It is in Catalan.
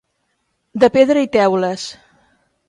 De pedra i teules.